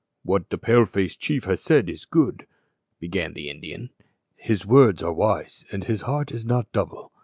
"What the Pale face chief has said is good," began the Indian. "His words are wise, and his heart is not double.